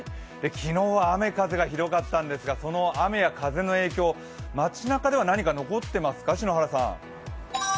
昨日は雨・風がひどかったんですがその雨や風の影響、街なかでは何か残ってますか篠原さん。